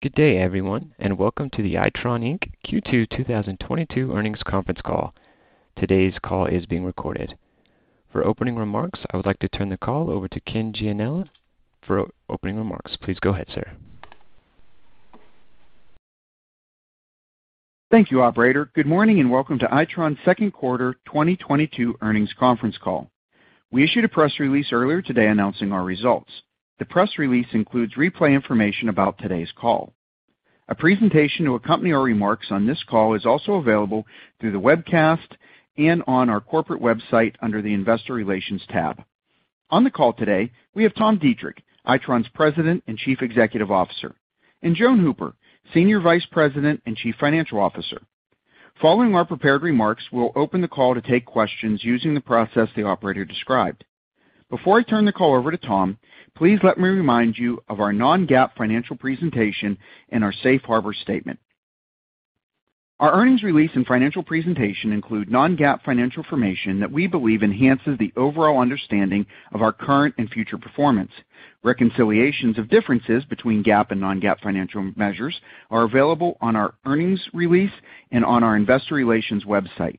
Good day, everyone, and welcome to the Itron, Inc Q2 2022 earnings conference call. Today's call is being recorded. For opening remarks, I would like to turn the call over to Ken Gianella. For opening remarks, please go ahead, sir. Thank you, operator. Good morning, and welcome to Itron's second quarter 2022 earnings conference call. We issued a press release earlier today announcing our results. The press release includes replay information about today's call. A presentation to accompany our remarks on this call is also available through the webcast and on our corporate website under the Investor Relations tab. On the call today, we have Tom Deitrich, Itron's President and Chief Executive Officer, and Joan Hooper, Senior Vice President and Chief Financial Officer. Following our prepared remarks, we'll open the call to take questions using the process the operator described. Before I turn the call over to Tom, please let me remind you of our non-GAAP financial presentation and our Safe Harbor statement. Our earnings release and financial presentation include non-GAAP financial information that we believe enhances the overall understanding of our current and future performance. Reconciliations of differences between GAAP and non-GAAP financial measures are available on our earnings release and on our investor relations website.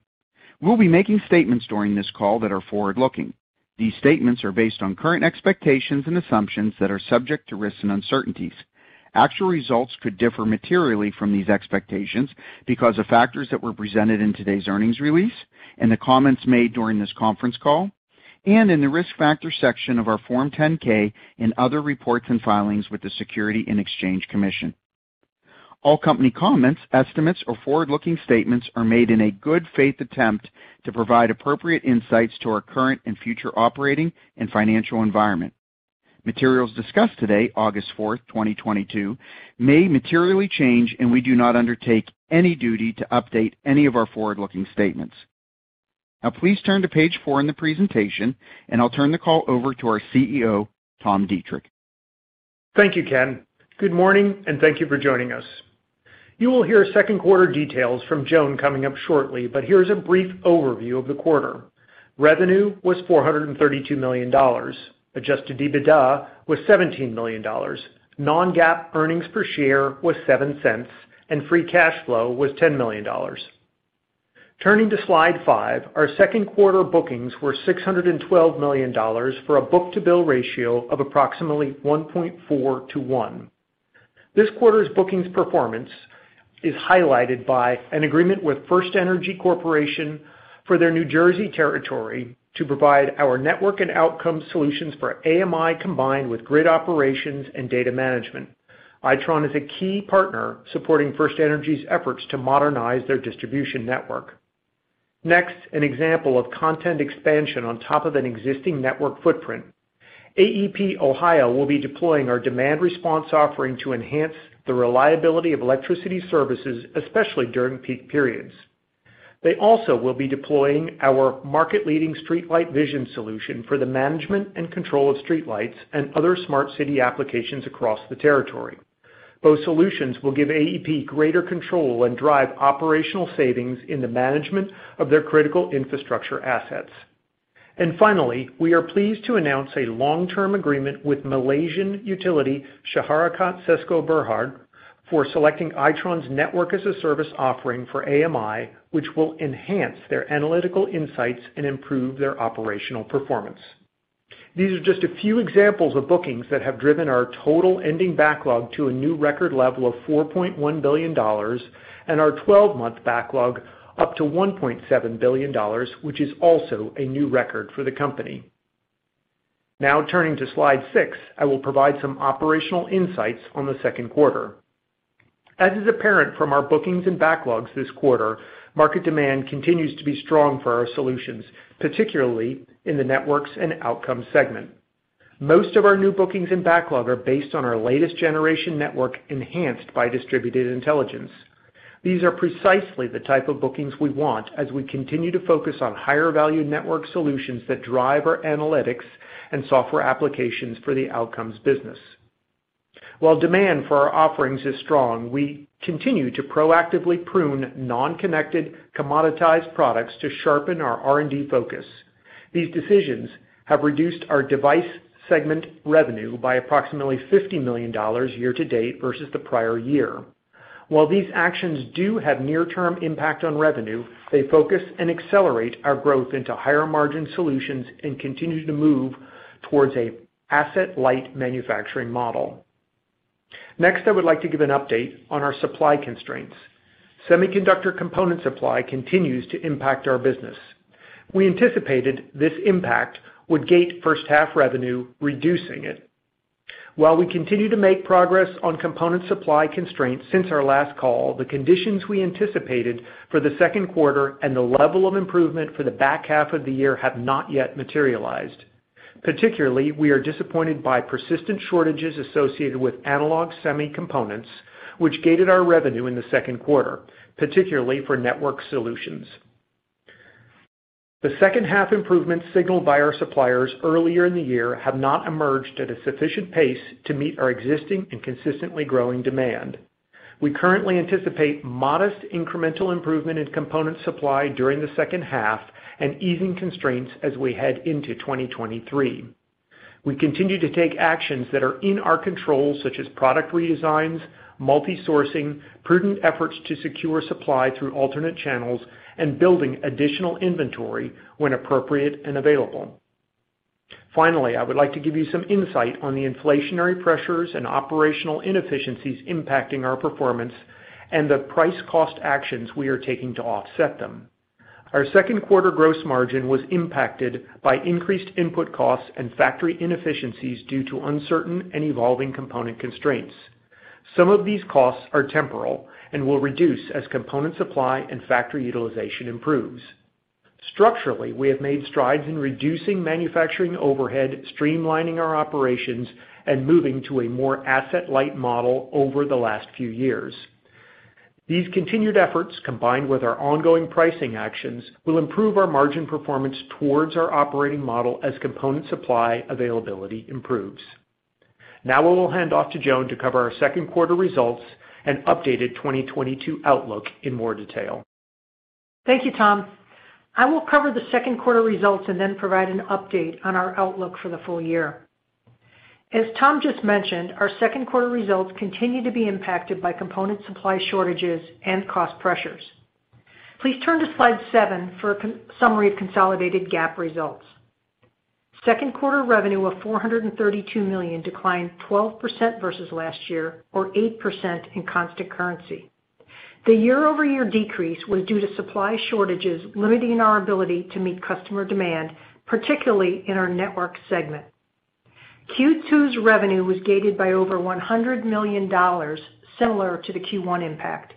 We'll be making statements during this call that are forward-looking. These statements are based on current expectations and assumptions that are subject to risks and uncertainties. Actual results could differ materially from these expectations because of factors that were presented in today's earnings release and the comments made during this conference call and in the Risk Factors section of our Form 10-K and other reports and filings with the Securities and Exchange Commission. All company comments, estimates or forward-looking statements are made in a good faith attempt to provide appropriate insights to our current and future operating and financial environment. Materials discussed today, August 4, 2022, may materially change, and we do not undertake any duty to update any of our forward-looking statements. Now please turn to page four in the presentation, and I'll turn the call over to our CEO, Tom Deitrich. Thank you, Ken. Good morning, and thank you for joining us. You will hear second quarter details from Joan coming up shortly, but here's a brief overview of the quarter. Revenue was $432 million. Adjusted EBITDA was $17 million. Non-GAAP earnings per share was $0.07, and Free Cash Flow was $10 million. Turning to Slide 5. Our second quarter bookings were $612 million for a book-to-bill ratio of approximately 1.4:1. This quarter's bookings performance is highlighted by an agreement with FirstEnergy Corporation for their New Jersey territory to provide our Networked and Outcomes solutions for AMI, combined with grid operations and data management. Itron is a key partner supporting FirstEnergy's efforts to modernize their distribution network. Next, an example of content expansion on top of an existing network footprint. AEP Ohio will be deploying our demand response offering to enhance the reliability of electricity services, especially during peak periods. They also will be deploying our market-leading Streetlight.Vision solution for the management and control of streetlights and other smart city applications across the territory. Both solutions will give AEP greater control and drive operational savings in the management of their critical infrastructure assets. Finally, we are pleased to announce a long-term agreement with Malaysian utility, Syarikat SESCO Berhad, for selecting Itron's Network-as-a-Service offering for AMI, which will enhance their analytical insights and improve their operational performance. These are just a few examples of bookings that have driven our total ending backlog to a new record level of $4.1 billion and our 12-month backlog up to $1.7 billion, which is also a new record for the company. Now, turning to Slide 6, I will provide some operational insights on the second quarter. As is apparent from our bookings and backlogs this quarter, market demand continues to be strong for our solutions, particularly in the networks and outcomes segment. Most of our new bookings and backlog are based on our latest generation network, enhanced by Distributed Intelligence. These are precisely the type of bookings we want as we continue to focus on higher value network solutions that drive our analytics and software applications for the outcomes business. While demand for our offerings is strong, we continue to proactively prune non-connected commoditized products to sharpen our R&D focus. These decisions have reduced our Device Solutions segment revenue by approximately $50 million year-to-date versus the prior year. While these actions do have near-term impact on revenue, they focus and accelerate our growth into higher margin solutions and continue to move towards an asset-light manufacturing model. Next, I would like to give an update on our supply constraints. Semiconductor component supply continues to impact our business. We anticipated this impact would gate first half revenue, reducing it. While we continue to make progress on component supply constraints since our last call, the conditions we anticipated for the second quarter and the level of improvement for the back half of the year have not yet materialized. Particularly, we are disappointed by persistent shortages associated with analog semi components, which gated our revenue in the second quarter, particularly for Networked Solutions. The second half improvement signaled by our suppliers earlier in the year has not emerged at a sufficient pace to meet our existing and consistently growing demand. We currently anticipate modest incremental improvement in component supply during the second half and easing constraints as we head into 2023. We continue to take actions that are in our control, such as product redesigns, multi-sourcing, prudent efforts to secure supply through alternate channels, and building additional inventory when appropriate and available. Finally, I would like to give you some insight on the inflationary pressures and operational inefficiencies impacting our performance and the price cost actions we are taking to offset them. Our second quarter gross margin was impacted by increased input costs and factory inefficiencies due to uncertain and evolving component constraints. Some of these costs are temporary and will reduce as component supply and factory utilization improves. Structurally, we have made strides in reducing manufacturing overhead, streamlining our operations, and moving to a more asset-light model over the last few years. These continued efforts, combined with our ongoing pricing actions, will improve our margin performance towards our operating model as component supply availability improves. Now I will hand off to Joan to cover our second quarter results and updated 2022 outlook in more detail. Thank you, Tom. I will cover the second quarter results and then provide an update on our outlook for the full year. As Tom just mentioned, our second quarter results continue to be impacted by component supply shortages and cost pressures. Please turn to Slide 7 for a summary of consolidated GAAP results. Second quarter revenue of $432 million declined 12% versus last year, or 8% in constant currency. The year-over-year decrease was due to supply shortages limiting our ability to meet customer demand, particularly in our network segment. Q2's revenue was gated by over $100 million, similar to the Q1 impact.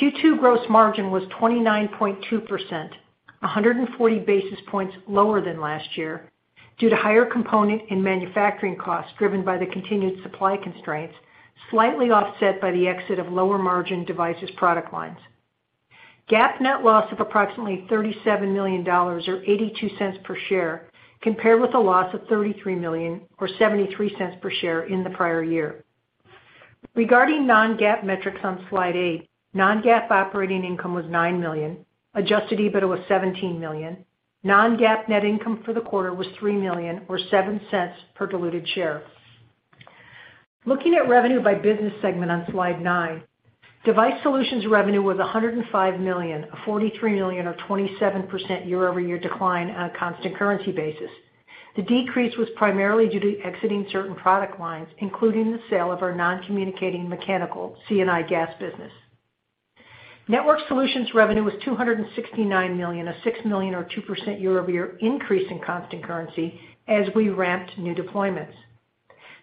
Q2 gross margin was 29.2%, 140 basis points lower than last year due to higher component and manufacturing costs driven by the continued supply constraints, slightly offset by the exit of lower margin devices product lines. GAAP net loss of approximately $37 million or $0.82 per share compared with a loss of $33 million or $0.73 per share in the prior year. Regarding non-GAAP metrics on Slide 8, non-GAAP operating income was $9 million. Adjusted EBITDA was $17 million. Non-GAAP net income for the quarter was $3 million or $0.07 per diluted share. Looking at revenue by business segment on Slide 9, Device Solutions revenue was $105 million, a $43 million or 27% year-over-year decline on a constant currency basis. The decrease was primarily due to exiting certain product lines, including the sale of our non-communicating mechanical C&I gas business. Networked Solutions revenue was $269 million, a $6 million or 2% year-over-year increase in constant currency as we ramped new deployments.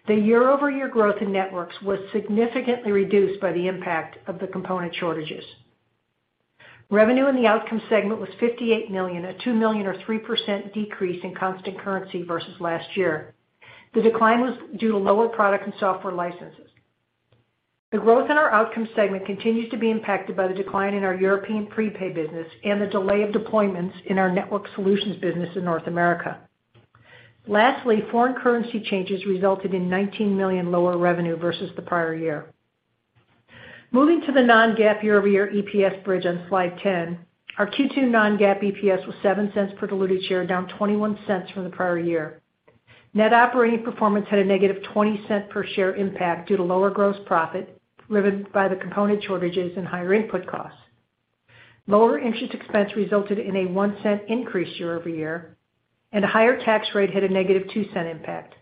The year-over-year growth in networks was significantly reduced by the impact of the component shortages. Revenue in the Outcomes segment was $58 million, a $2 million or 3% decrease in constant currency versus last year. The decline was due to lower product and software licenses. The growth in our Outcomes segment continues to be impacted by the decline in our European prepaid business and the delay of deployments in our Networked Solutions business in North America. Lastly, foreign currency changes resulted in $19 million lower revenue versus the prior year. Moving to the non-GAAP year-over-year EPS bridge on Slide 10, our Q2 non-GAAP EPS was $0.07 per diluted share, down $0.21 from the prior year. Net operating performance had a negative $0.20 per share impact due to lower gross profit driven by the component shortages and higher input costs. Lower interest expense resulted in a $0.01 increase year-over-year, and a higher tax rate hit a negative $0.02 impact.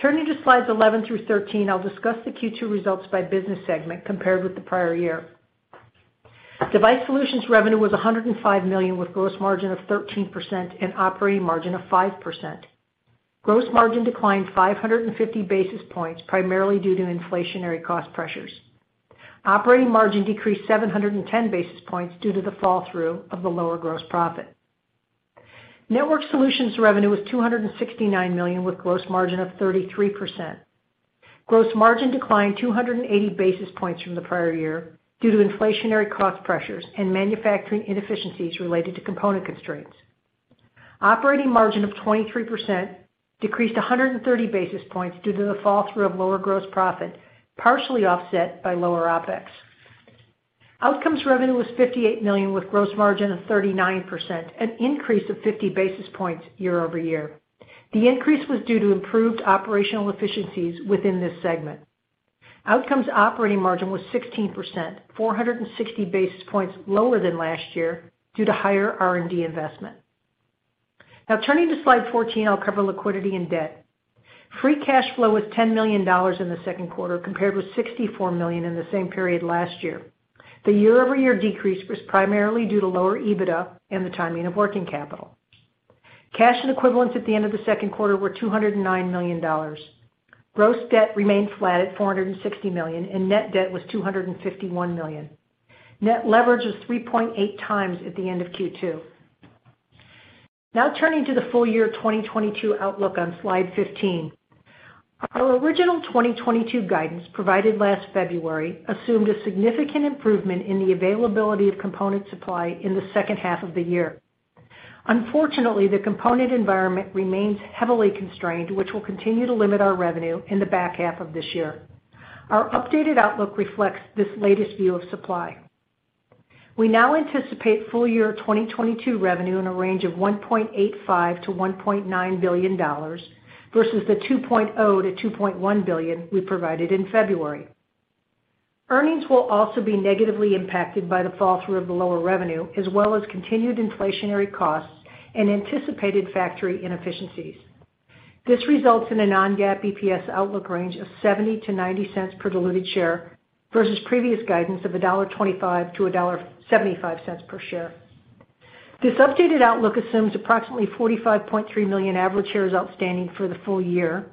Turning to Slides 11 through 13, I'll discuss the Q2 results by business segment compared with the prior year. Device Solutions revenue was $105 million, with gross margin of 13% and operating margin of 5%. Gross margin declined 550 basis points, primarily due to inflationary cost pressures. Operating margin decreased 710 basis points due to the flow-through of the lower gross profit. Networked Solutions revenue was $269 million with gross margin of 33%. Gross margin declined 280 basis points from the prior year due to inflationary cost pressures and manufacturing inefficiencies related to component constraints. Operating margin of 23% decreased 130 basis points due to the fall through of lower gross profit, partially offset by lower OpEx. Outcomes revenue was $58 million, with gross margin of 39%, an increase of 50 basis points year-over-year. The increase was due to improved operational efficiencies within this segment. Outcomes operating margin was 16%, 460 basis points lower than last year due to higher R&D investment. Now turning to Slide 14, I'll cover liquidity and debt. Free Cash Flow was $10 million in the second quarter, compared with $64 million in the same period last year. The year-over-year decrease was primarily due to lower EBITDA and the timing of working capital. Cash and equivalents at the end of the second quarter were $209 million. Gross debt remained flat at $460 million, and net debt was $251 million. Net leverage was 3.8x at the end of Q2. Now turning to the full year 2022 outlook on Slide 15. Our original 2022 guidance provided last February assumed a significant improvement in the availability of component supply in the second half of the year. Unfortunately, the component environment remains heavily constrained, which will continue to limit our revenue in the back half of this year. Our updated outlook reflects this latest view of supply. We now anticipate full year 2022 revenue in a range of $1.85 billion-$1.9 billion versus the $2.0 billion-$2.1 billion we provided in February. Earnings will also be negatively impacted by the fall through of the lower revenue as well as continued inflationary costs and anticipated factory inefficiencies. This results in a non-GAAP EPS outlook range of $0.70-$0.90 per diluted share versus previous guidance of $1.25-$1.75 per share. This updated outlook assumes approximately 45.3 million average shares outstanding for the full year.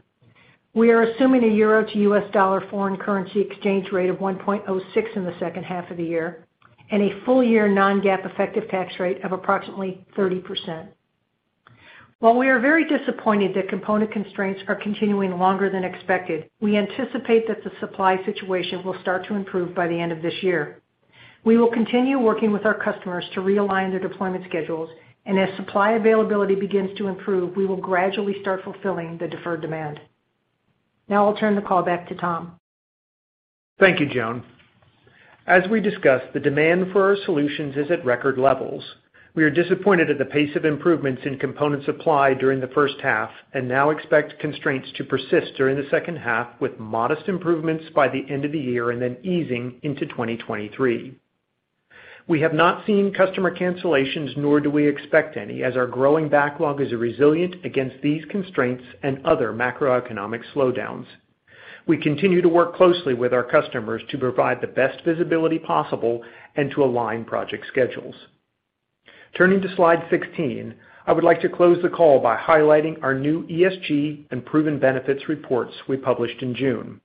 We are assuming a euro to U.S. dollar foreign currency exchange rate of $1.06 in the second half of the year and a full year non-GAAP effective tax rate of approximately 30%. While we are very disappointed that component constraints are continuing longer than expected, we anticipate that the supply situation will start to improve by the end of this year. We will continue working with our customers to realign their deployment schedules, and as supply availability begins to improve, we will gradually start fulfilling the deferred demand. Now I'll turn the call back to Tom. Thank you, Joan. As we discussed, the demand for our solutions is at record levels. We are disappointed at the pace of improvements in component supply during the first half and now expect constraints to persist during the second half, with modest improvements by the end of the year and then easing into 2023. We have not seen customer cancellations, nor do we expect any, as our growing backlog is resilient against these constraints and other macroeconomic slowdowns. We continue to work closely with our customers to provide the best visibility possible and to align project schedules. Turning to Slide 16, I would like to close the call by highlighting our new ESG and proven benefits reports we published in June.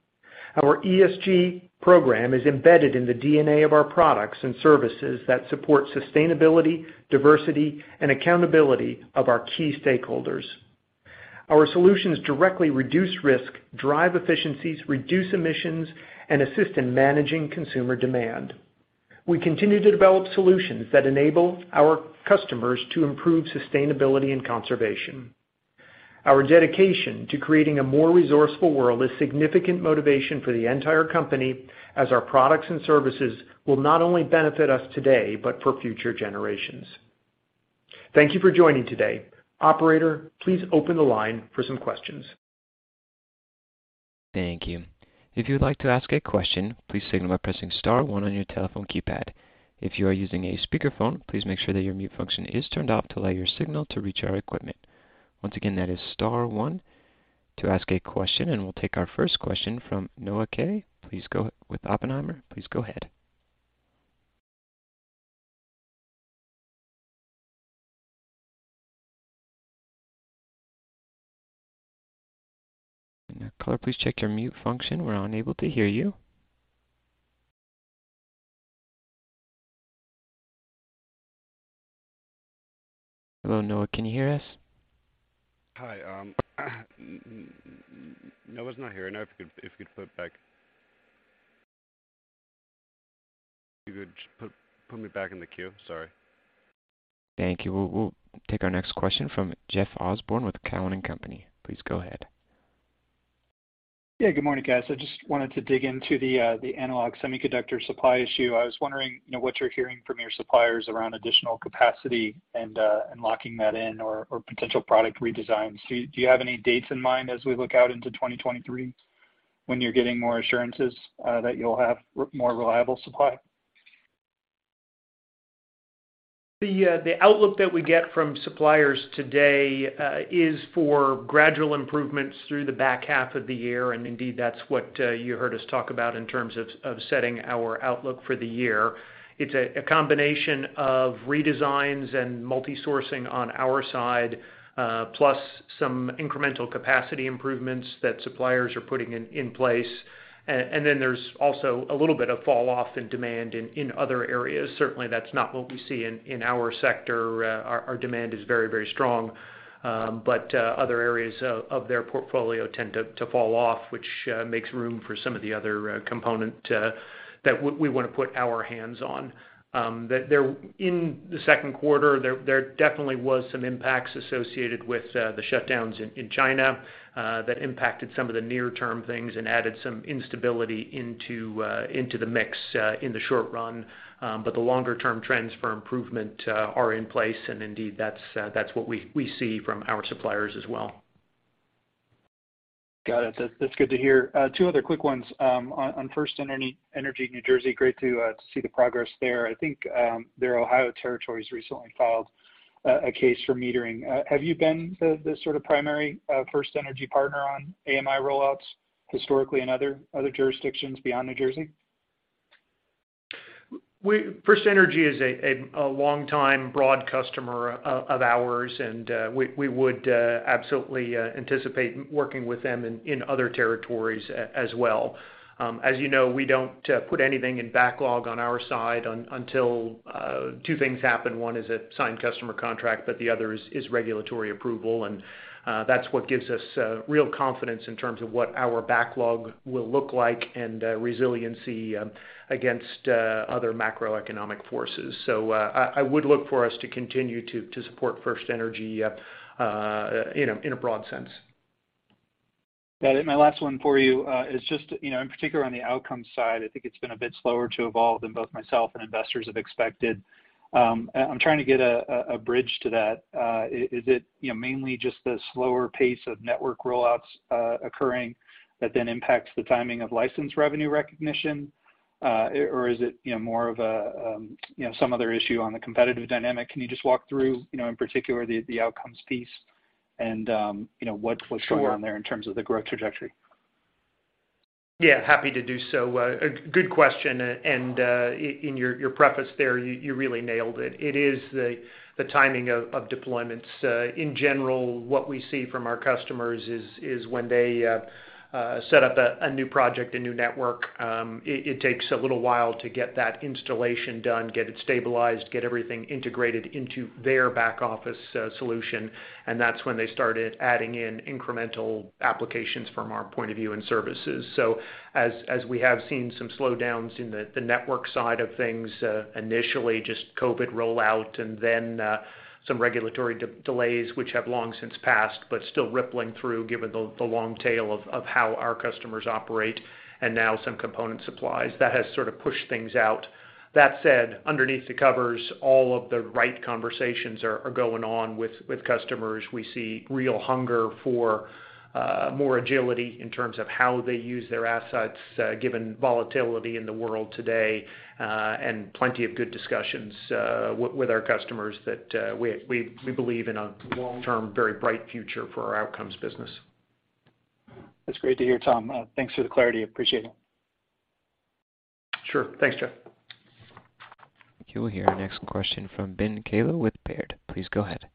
Our ESG program is embedded in the DNA of our products and services that support sustainability, diversity, and accountability of our key stakeholders. Our solutions directly reduce risk, drive efficiencies, reduce emissions, and assist in managing consumer demand. We continue to develop solutions that enable our customers to improve sustainability and conservation. Our dedication to creating a more resourceful world is significant motivation for the entire company as our products and services will not only benefit us today, but for future generations. Thank you for joining today. Operator, please open the line for some questions. Thank you. If you would like to ask a question, please signal by pressing star one on your telephone keypad. If you are using a speakerphone, please make sure that your mute function is turned off to allow your signal to reach our equipment. Once again, that is star one to ask a question, and we'll take our first question from Noah Kaye with Oppenheimer. Please go ahead. Noah, please check your mute function. We're unable to hear you. Hello, Noah, can you hear us? Hi. Noah's not here. I don't know if you could put it back. If you could just put me back in the queue. Sorry. Thank you. We'll take our next question from Jeff Osborne with Cowen and Company. Please go ahead. Yeah. Good morning, guys. I just wanted to dig into the analog semiconductor supply issue. I was wondering, you know, what you're hearing from your suppliers around additional capacity and locking that in or potential product redesigns. Do you have any dates in mind as we look out into 2023 when you're getting more assurances that you'll have more reliable supply? The outlook that we get from suppliers today is for gradual improvements through the back half of the year. Indeed, that's what you heard us talk about in terms of setting our outlook for the year. It's a combination of redesigns and multi-sourcing on our side, plus some incremental capacity improvements that suppliers are putting in place. There's also a little bit of fall off in demand in other areas. Certainly, that's not what we see in our sector. Our demand is very strong. Other areas of their portfolio tend to fall off, which makes room for some of the other component that we wanna put our hands on. In the second quarter, there definitely was some impacts associated with the shutdowns in China that impacted some of the near term things and added some instability into the mix in the short run. The longer term trends for improvement are in place. Indeed, that's what we see from our suppliers as well. Got it. That's good to hear. Two other quick ones. On FirstEnergy in New Jersey, great to see the progress there. I think their Ohio territories recently filed a case for metering. Have you been the sort of primary FirstEnergy partner on AMI rollouts historically in other jurisdictions beyond New Jersey? FirstEnergy is a long-time broad customer of ours. We would absolutely anticipate working with them in other territories as well. As you know, we don't put anything in backlog on our side until two things happen. One is a signed customer contract, but the other is regulatory approval. That's what gives us real confidence in terms of what our backlog will look like and resiliency against other macroeconomic forces. I would look for us to continue to support FirstEnergy in a broad sense. Got it. My last one for you is just, you know, in particular on the Outcomes side, I think it's been a bit slower to evolve than both myself and investors have expected. I'm trying to get a bridge to that. Is it, you know, mainly just the slower pace of network rollouts occurring that then impacts the timing of license revenue recognition? Or is it, you know, more of a, you know, some other issue on the competitive dynamic? Can you just walk through, you know, in particular the Outcomes piece and, you know, what's going on there in terms of the growth trajectory? Yeah, happy to do so. Good question. In your preface there, you really nailed it. It is the timing of deployments. In general, what we see from our customers is when they set up a new project, a new network, it takes a little while to get that installation done, get it stabilized, get everything integrated into their back office solution, and that's when they started adding in incremental applications from our point of view and services. As we have seen some slowdowns in the network side of things, initially just COVID rollout and then some regulatory delays which have long since passed, but still rippling through given the long tail of how our customers operate and now some component supplies, that has sort of pushed things out. That said, underneath the covers, all of the right conversations are going on with customers. We see real hunger for more agility in terms of how they use their assets, given volatility in the world today, and plenty of good discussions with our customers that we believe in a long-term, very bright future for our Outcomes business. That's great to hear, Tom. Thanks for the clarity. Appreciate it. Sure. Thanks, Jeff. You will hear our next question from Ben Kallo with Baird. Please go ahead.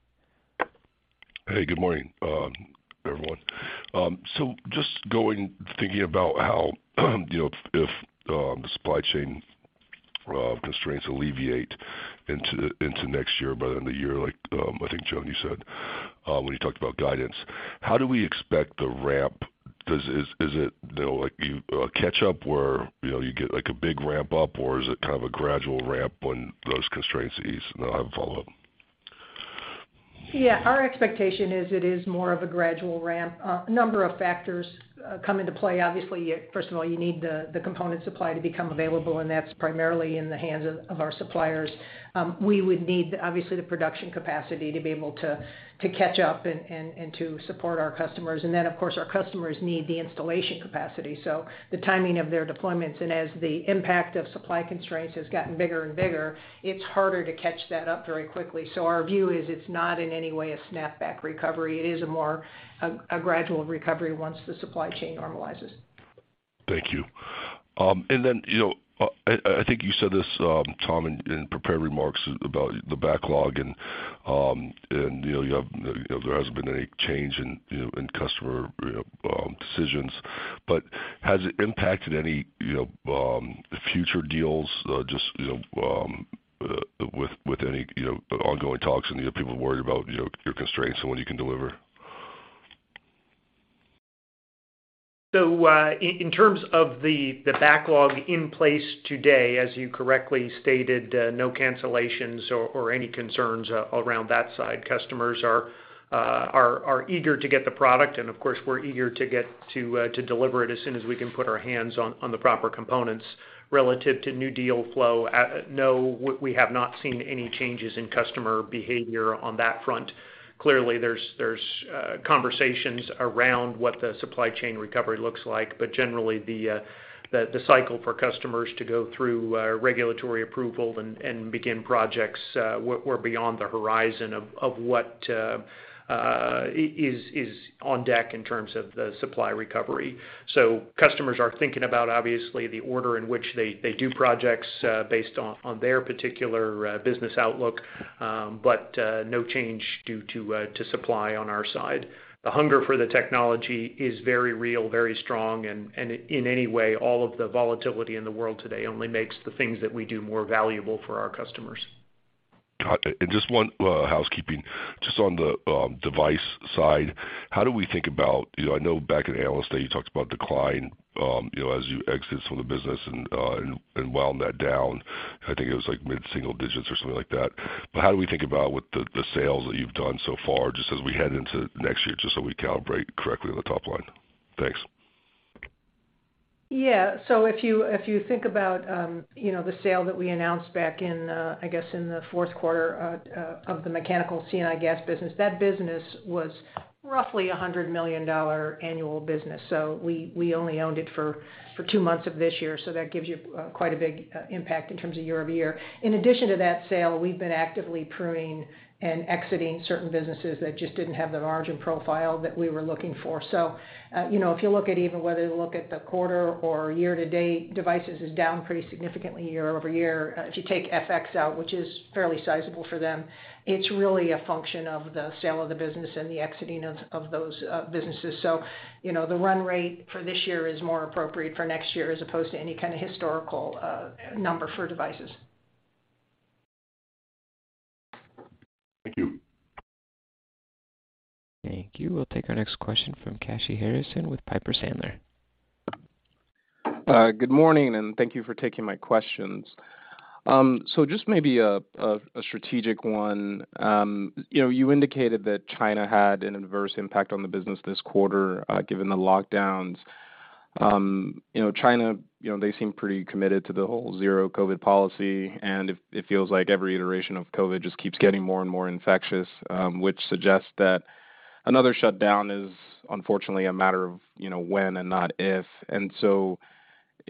Hey, good morning, everyone. Just thinking about how, you know, if the supply chain constraints alleviate into next year by the end of the year, like, I think, Joan, you said when you talked about guidance. How do we expect the ramp? Is it, you know, like a catch-up where, you know, you get like a big ramp-up, or is it kind of a gradual ramp when those constraints ease? I have a follow-up. Yeah. Our expectation is it is more of a gradual ramp. A number of factors come into play. Obviously, first of all, you need the component supply to become available, and that's primarily in the hands of our suppliers. We would need obviously the production capacity to be able to catch up and to support our customers. Of course, our customers need the installation capacity, so the timing of their deployments. As the impact of supply constraints has gotten bigger and bigger, it's harder to catch that up very quickly. Our view is it's not in any way a snapback recovery. It is more of a gradual recovery once the supply chain normalizes. Thank you. You know, I think you said this, Tom, in prepared remarks about the backlog and, you know, you know, there hasn't been any change in, you know, in customer, you know, decisions. Has it impacted any, you know, future deals, just, you know, with any, you know, ongoing talks and, you know, people worried about, you know, your constraints and when you can deliver? In terms of the backlog in place today, as you correctly stated, no cancellations or any concerns around that side. Customers are eager to get the product, and of course, we're eager to deliver it as soon as we can put our hands on the proper components. Relative to new deal flow, no, we have not seen any changes in customer behavior on that front. Clearly, there's conversations around what the supply chain recovery looks like. But generally, the cycle for customers to go through regulatory approval and begin projects, we're beyond the horizon of what is on deck in terms of the supply recovery. Customers are thinking about, obviously, the order in which they do projects, based on their particular business outlook. No change due to supply on our side. The hunger for the technology is very real, very strong, and in any way, all of the volatility in the world today only makes the things that we do more valuable for our customers. Got it. Just one housekeeping. Just on the device side, how do we think about, you know, I know back in Analyst Day, you talked about decline, you know, as you exit some of the business and wound that down. I think it was like mid-single digits or something like that. How do we think about what the sales that you've done so far, just as we head into next year, just so we calibrate correctly on the top line? Thanks. Yeah. If you think about the sale that we announced back in, I guess, in the fourth quarter of the mechanical C&I gas business, that business was roughly $100 million annual business. We only owned it for two months of this year. That gives you quite a big impact in terms of year-over-year. In addition to that sale, we've been actively pruning and exiting certain businesses that just didn't have the margin profile that we were looking for. You know, if you look at even whether you look at the quarter or year-to-date, devices is down pretty significantly year-over-year. If you take FX out, which is fairly sizable for them, it's really a function of the sale of the business and the exiting of those businesses. You know, the run rate for this year is more appropriate for next year as opposed to any kinda historical number for devices. Thank you. Thank you. We'll take our next question from Kashy Harrison with Piper Sandler. Good morning, and thank you for taking my questions. Just maybe a strategic one. You know, you indicated that China had an adverse impact on the business this quarter, given the lockdowns. You know, China, you know, they seem pretty committed to the whole zero COVID policy, and it feels like every iteration of COVID just keeps getting more and more infectious, which suggests that another shutdown is unfortunately a matter of, you know, when and not if.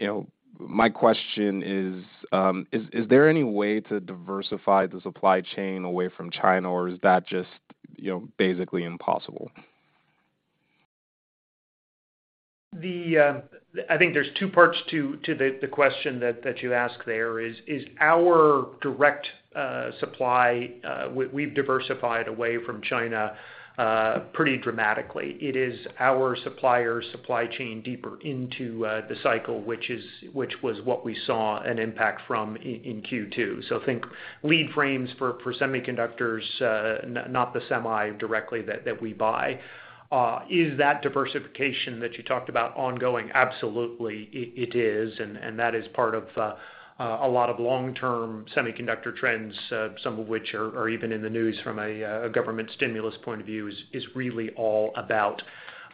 You know, my question is there any way to diversify the supply chain away from China, or is that just, you know, basically impossible? I think there's two parts to the question that you ask. There is our direct supply. We've diversified away from China pretty dramatically. It is our suppliers' supply chain deeper into the cycle, which was what we saw an impact from in Q2. So think lead frames for semiconductors, not the semi directly that we buy. Is that diversification that you talked about ongoing? Absolutely, it is, and that is part of a lot of long-term semiconductor trends, some of which are even in the news from a government stimulus point of view is really all about.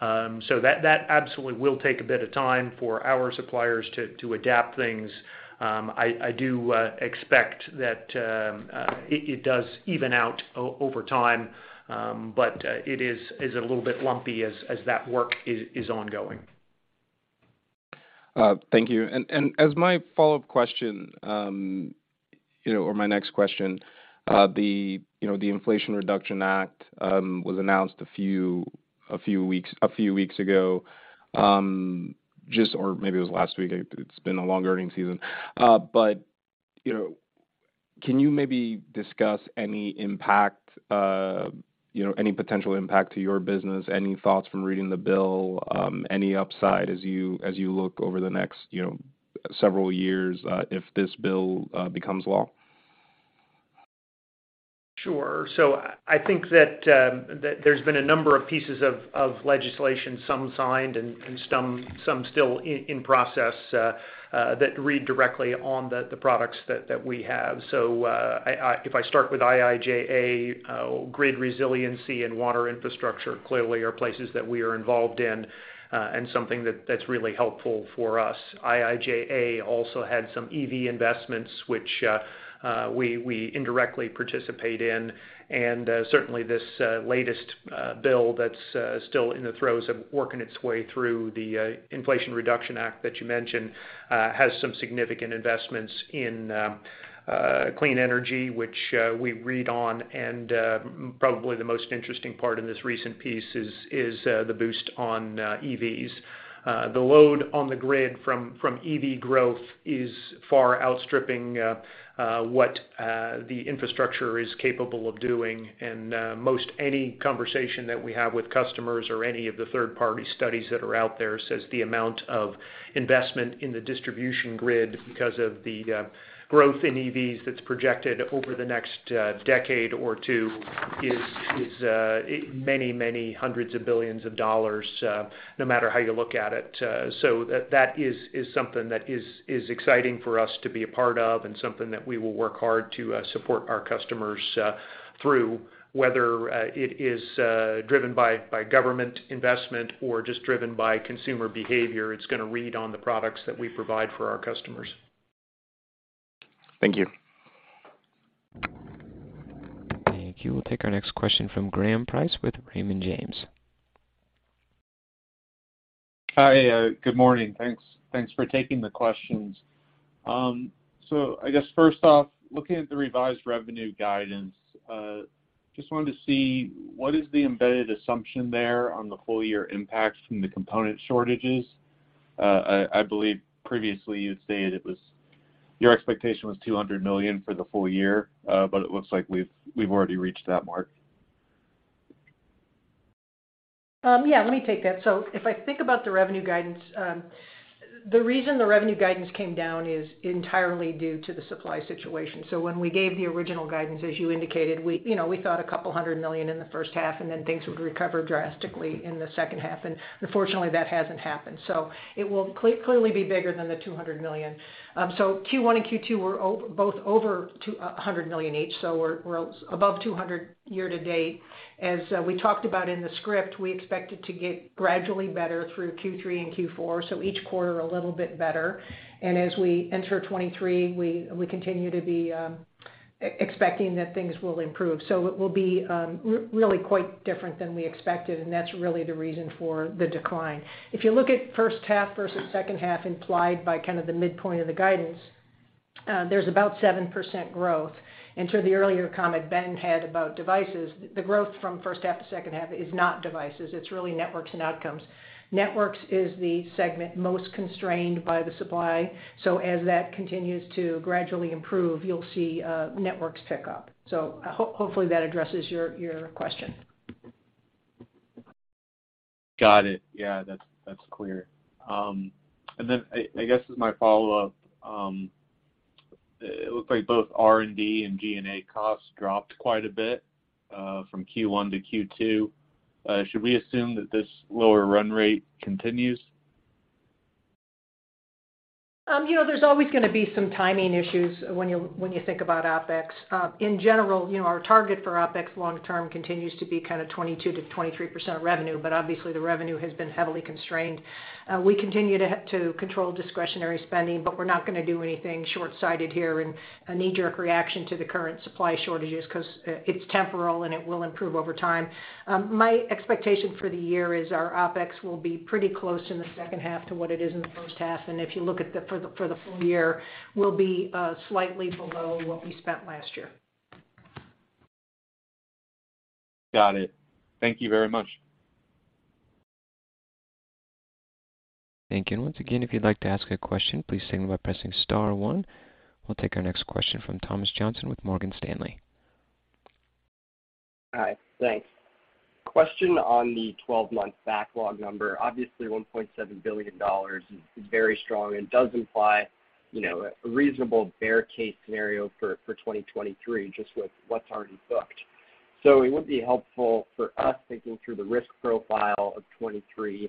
So that absolutely will take a bit of time for our suppliers to adapt things. I do expect that it does even out over time. It is a little bit lumpy as that work is ongoing. Thank you. As my follow-up question, you know, or my next question, you know, the Inflation Reduction Act was announced a few weeks ago, or maybe it was last week. It's been a long earnings season. You know, can you maybe discuss any impact, you know, any potential impact to your business? Any thoughts from reading the bill? Any upside as you look over the next, you know, several years, if this bill becomes law? Sure. I think that there's been a number of pieces of legislation, some signed and some still in process, that read directly on the products that we have. If I start with IIJA, grid resiliency and water infrastructure clearly are places that we are involved in, and something that's really helpful for us. IIJA also had some EV investments which we indirectly participate in, and certainly this latest bill that's still in the throes of working its way through the Inflation Reduction Act that you mentioned has some significant investments in clean energy, which we read on. Probably the most interesting part in this recent piece is the boost on EVs. The load on the grid from EV growth is far outstripping what the infrastructure is capable of doing. Most any conversation that we have with customers or any of the third-party studies that are out there says the amount of investment in the distribution grid because of the growth in EVs that's projected over the next decade or two is many hundreds of billions of dollars, no matter how you look at it. That is something that is exciting for us to be a part of and something that we will work hard to support our customers through. Whether it is driven by government investment or just driven by consumer behavior, it's gonna rely on the products that we provide for our customers. Thank you. Thank you. We'll take our next question from Graham Price with Raymond James. Hi. Good morning. Thanks for taking the questions. I guess first off, looking at the revised revenue guidance, just wanted to see what is the embedded assumption there on the full year impact from the component shortages? I believe previously you'd stated your expectation was $200 million for the full year, but it looks like we've already reached that mark. Yeah. Let me take that. If I think about the revenue guidance, the reason the revenue guidance came down is entirely due to the supply situation. When we gave the original guidance, as you indicated, you know, we thought $200 million in the first half, and then things would recover drastically in the second half. Unfortunately, that hasn't happened. It will clearly be bigger than the $200 million. Q1 and Q2 were both over $200 million each, so we're above $200 million year-to-date. As we talked about in the script, we expect it to get gradually better through Q3 and Q4, so each quarter a little bit better. As we enter 2023, we continue to be expecting that things will improve. It will be really quite different than we expected, and that's really the reason for the decline. If you look at first half versus second half implied by kind of the midpoint of the guidance, there's about 7% growth. To the earlier comment Ben had about devices, the growth from first half to second half is not devices. It's really networks and outcomes. Networks is the segment most constrained by the supply. As that continues to gradually improve, you'll see networks pick up. Hopefully, that addresses your question. Got it. Yeah. That's clear. I guess as my follow-up. It looks like both R&D and G&A costs dropped quite a bit from Q1 to Q2. Should we assume that this lower run rate continues? You know, there's always gonna be some timing issues when you think about OpEx. In general, you know, our target for OpEx long term continues to be kind of 22%-23% revenue, but obviously, the revenue has been heavily constrained. We continue to control discretionary spending, but we're not gonna do anything shortsighted here and a knee-jerk reaction to the current supply shortages because it's temporary, and it will improve over time. My expectation for the year is our OpEx will be pretty close in the second half to what it is in the first half. If you look at the full year, we'll be slightly below what we spent last year. Got it. Thank you very much. Thank you. Once again, if you'd like to ask a question, please signal by pressing star one. We'll take our next question from Thomas Johnson with Morgan Stanley. Hi. Thanks. Question on the 12-month backlog number. Obviously, $1.7 billion is very strong and does imply, you know, a reasonable bear case scenario for 2023 just with what's already booked. It would be helpful for us thinking through the risk profile of 2023,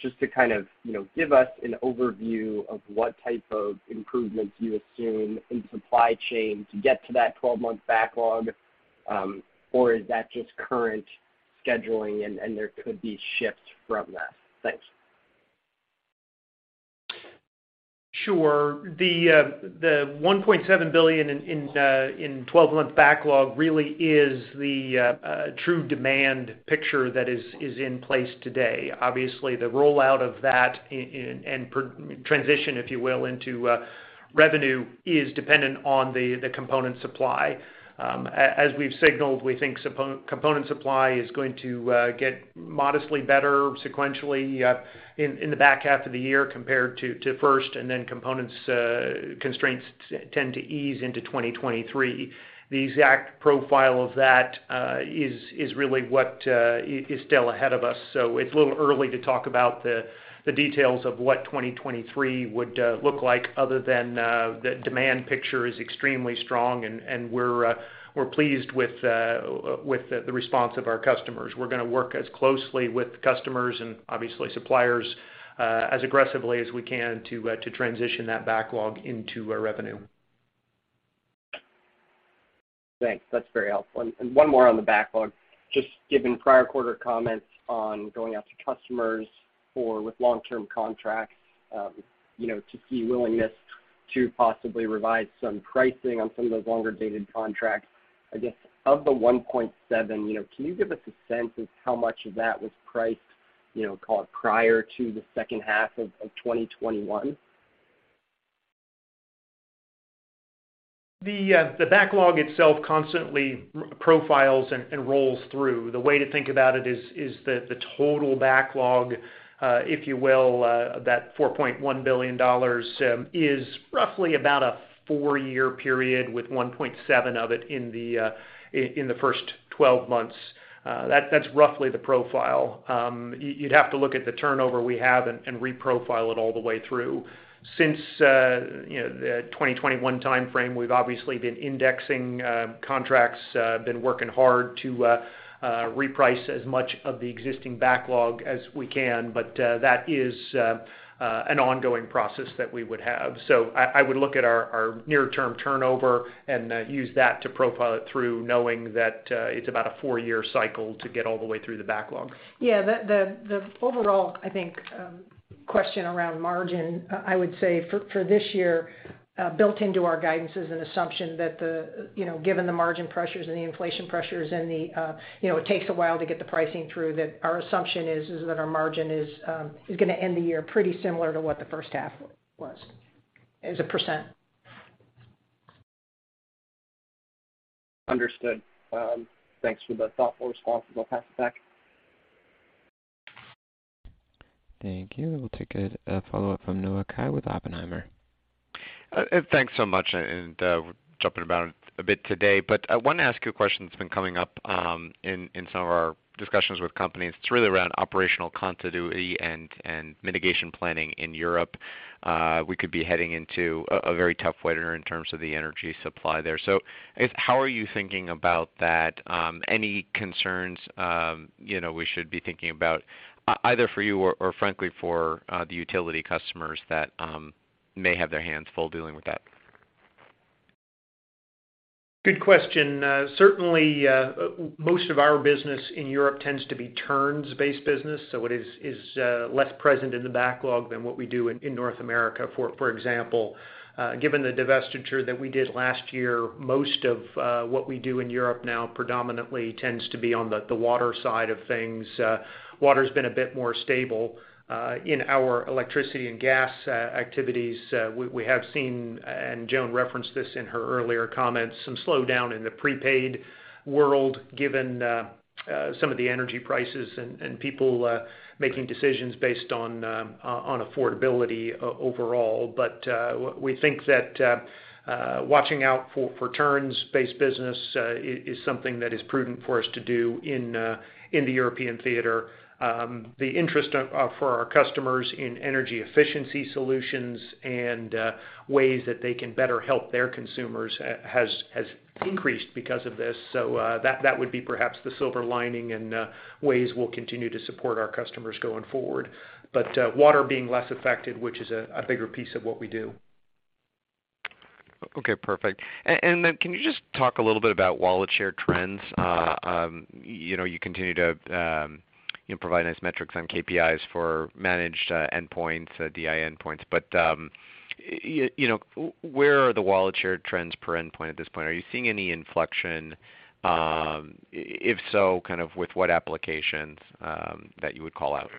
just to kind of, you know, give us an overview of what type of improvements you assume in supply chain to get to that twelve-month backlog, or is that just current scheduling and there could be shifts from that? Thanks. Sure. The $1.7 billion in 12-month backlog really is the true demand picture that is in place today. Obviously, the rollout of that and transition, if you will, into revenue is dependent on the component supply. As we've signaled, we think component supply is going to get modestly better sequentially in the back half of the year compared to first, and then components constraints tend to ease into 2023. The exact profile of that is really what is still ahead of us. It's a little early to talk about the details of what 2023 would look like other than the demand picture is extremely strong, and we're pleased with the response of our customers. We're gonna work as closely with customers and obviously suppliers as aggressively as we can to transition that backlog into our revenue. Thanks. That's very helpful. One more on the backlog. Just given prior quarter comments on going out to customers with long-term contracts, you know, to see willingness to possibly revise some pricing on some of those longer-dated contracts. I guess, of the $1.7, you know, can you give us a sense of how much of that was priced, you know, call it prior to the second half of 2021? The backlog itself constantly profiles and rolls through. The way to think about it is that the total backlog, if you will, that $4.1 billion, is roughly about a four-year period with $1.7 of it in the first 12 months. That's roughly the profile. You'd have to look at the turnover we have and reprofile it all the way through. Since, you know, the 2021 timeframe, we've obviously been indexing contracts, been working hard to reprice as much of the existing backlog as we can, but that is an ongoing process that we would have. I would look at our near-term turnover and use that to profile it through knowing that it's about a four-year cycle to get all the way through the backlog. Yeah. The overall, I think, question around margin, I would say for this year, built into our guidance is an assumption that, you know, given the margin pressures and the inflation pressures and, you know, it takes a while to get the pricing through, that our assumption is that our margin is gonna end the year pretty similar to what the first half was as a percent. Understood. Thanks for the thoughtful response. I'll pass it back. Thank you. We'll take a follow-up from Noah Kaye with Oppenheimer. Thanks so much. Jumping about a bit today, but I want to ask you a question that's been coming up in some of our discussions with companies. It's really around operational continuity and mitigation planning in Europe. We could be heading into a very tough winter in terms of the energy supply there. So how are you thinking about that? Any concerns, you know, we should be thinking about either for you or frankly for the utility customers that may have their hands full dealing with that? Good question. Certainly, most of our business in Europe tends to be turns-based business, so it is less present in the backlog than what we do in North America, for example. Given the divestiture that we did last year, most of what we do in Europe now predominantly tends to be on the water side of things. Water's been a bit more stable in our electricity and gas activities. We have seen, and Joan referenced this in her earlier comments, some slowdown in the prepaid world given some of the energy prices and people making decisions based on affordability overall. We think that watching out for turns-based business is something that is prudent for us to do in the European theater. The interest for our customers in energy efficiency solutions and ways that they can better help their consumers has increased because of this. That would be perhaps the silver lining and ways we'll continue to support our customers going forward. Water being less affected, which is a bigger piece of what we do. Okay, perfect. Then can you just talk a little bit about wallet share trends? You know, you continue to provide nice metrics on KPIs for managed endpoints, DI endpoints. You know, where are the wallet share trends per endpoint at this point? Are you seeing any inflection? If so, kind of with what applications that you would call out?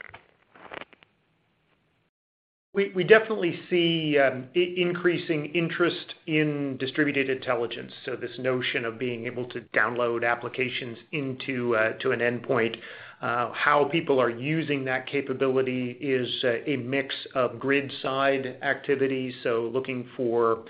We definitely see increasing interest in Distributed Intelligence. This notion of being able to download applications into an endpoint. How people are using that capability is a mix of grid side activities, so looking for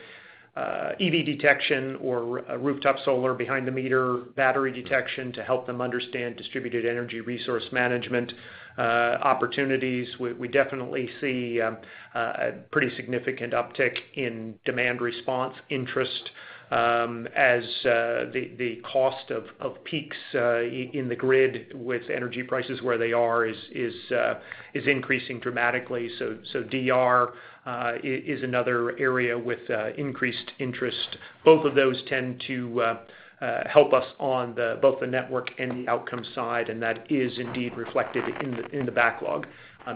EV detection or rooftop solar behind the meter, battery detection to help them understand distributed energy resource management opportunities. We definitely see a pretty significant uptick in demand response interest as the cost of peaks in the grid with energy prices where they are is increasing dramatically. DR is another area with increased interest. Both of those tend to help us on both the network and the outcome side, and that is indeed reflected in the backlog.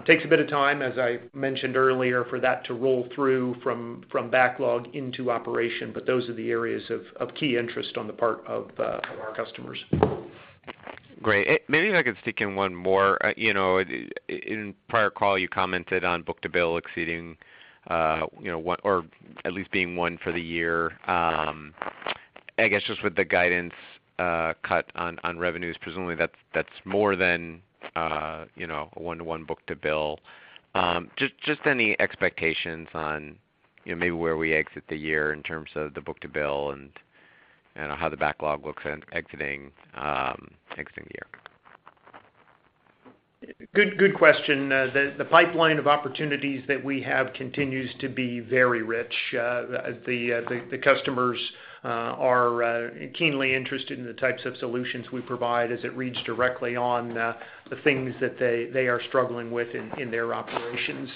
Takes a bit of time, as I mentioned earlier, for that to roll through from backlog into operation, but those are the areas of key interest on the part of our customers. Great. Maybe if I could stick in one more. You know, in prior call, you commented on book-to-bill exceeding, you know, one or at least being one for the year. I guess just with the guidance cut on revenues, presumably that's more than, you know, one-to-one book-to-bill. Just any expectations on, you know, maybe where we exit the year in terms of the book-to-bill and how the backlog looks in exiting the year. Good question. The pipeline of opportunities that we have continues to be very rich. The customers are keenly interested in the types of solutions we provide as it relates directly to the things that they are struggling with in their operations.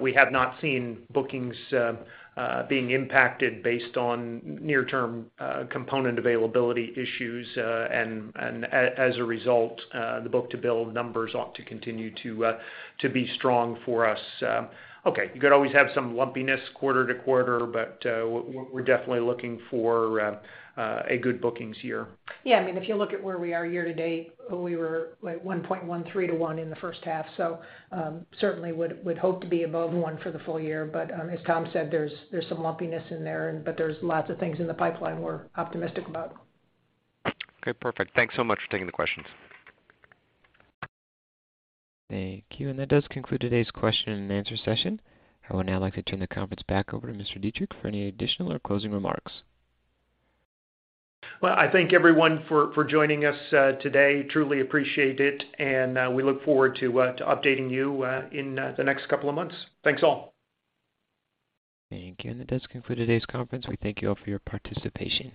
We have not seen bookings being impacted based on near-term component availability issues. As a result, the book-to-bill numbers ought to continue to be strong for us. Okay, you could always have some lumpiness quarter to quarter, but we're definitely looking for a good bookings year. Yeah. I mean, if you look at where we are year-to-date, we were like 1.13-1 in the first half. Certainly would hope to be above 1 for the full year. As Tom said, there's some lumpiness in there, but there's lots of things in the pipeline we're optimistic about. Okay, perfect. Thanks so much for taking the questions. Thank you. That does conclude today's question and answer session. I would now like to turn the conference back over to Mr. Deitrich for any additional or closing remarks. Well, I thank everyone for joining us today. Truly appreciate it, and we look forward to updating you in the next couple of months. Thanks, all. Thank you. That does conclude today's conference. We thank you all for your participation.